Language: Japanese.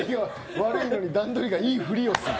悪いのに段取りがいいふりをする。